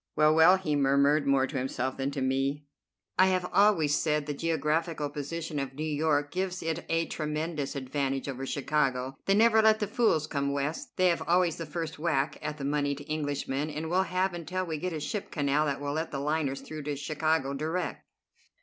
"Well, well," he murmured, more to himself than to me, "I have always said the geographical position of New York gives it a tremendous advantage over Chicago. They never let the fools come West. They have always the first whack at the moneyed Englishman, and will have until we get a ship canal that will let the liners through to Chicago direct.